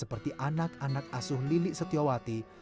seperti anak anak asuh lili setiawati